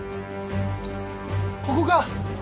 ここか。